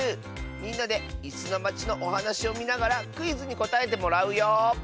みんなで「いすのまち」のおはなしをみながらクイズにこたえてもらうよ。